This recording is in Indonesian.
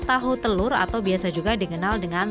tahu telur atau biasa juga dikenal dengan